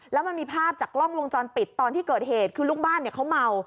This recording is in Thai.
แล้วมันมีภาพจากกล้องวงจรปิดตอนที่เกิดเหตุคือลูกบ้านเขาเมา